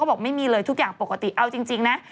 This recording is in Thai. บอกไม่มีเลยทุกอย่างปกติเอาจริงนะ